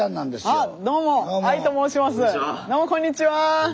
どうもこんにちは。